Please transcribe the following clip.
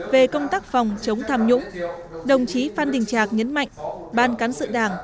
về công tác phòng chống tham nhũng đồng chí phan đình trạc nhấn mạnh ban cán sự đảng